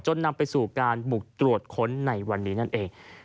นำไปสู่การบุกตรวจค้นในวันนี้นั่นเอง